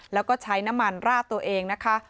แล้วก็ใช้น้ำมันราดตัวเองนะคะ